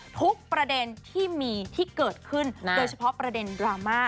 ทุกประเด็นที่มีที่เกิดขึ้นโดยเฉพาะประเด็นดราม่า